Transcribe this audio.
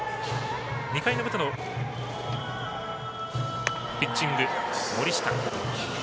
２回の表のピッチング、森下。